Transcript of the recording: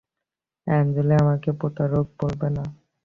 আঞ্জলি আমাকে প্রতারক বলবে না।